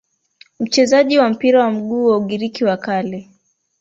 Mchezaji wa mpira wa miguu wa Ugiriki wa Kale